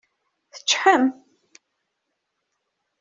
Teččḥem?